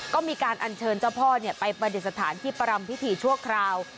ก็มีการอัญเชิญเจ้าพ่อไปประดิษฐานที่ประรำพิธีชั่วคราว